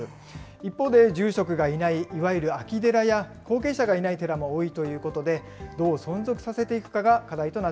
一方で、住職がいない、いわゆる空き寺や、後継者がいない寺も多いということで、どう存続させていくかが課